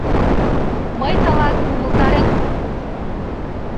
Мый тылат умылтарен ом мошто докан.